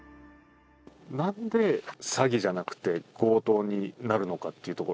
なんで詐欺じゃなくて、強盗になるのかというところ。